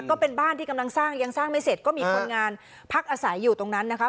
ก็เป็นบ้านที่กำลังสร้างยังสร้างไม่เสร็จก็มีคนงานพักอาศัยอยู่ตรงนั้นนะคะ